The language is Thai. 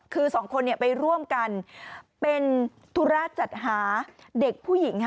คือสองคนไปร่วมกันเป็นธุระจัดหาเด็กผู้หญิง